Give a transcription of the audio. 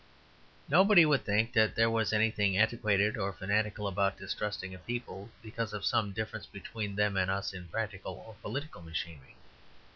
Nobody would think that there was anything antiquated or fanatical about distrusting a people because of some difference between them and us in practice or political machinery.